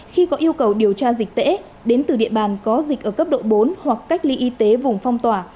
khi có yêu cầu điều tra dịch tễ đến từ địa bàn có dịch ở cấp độ bốn hoặc cách ly y tế vùng phong tỏa